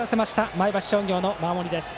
前橋商業の守りです。